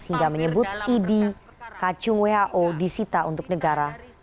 hingga menyebut i d kacung who disita untuk negara